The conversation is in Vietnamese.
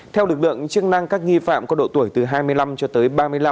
theo lực lượng chức năng các nghi phạm có độ tuổi từ hai mươi năm cho tới ba mươi năm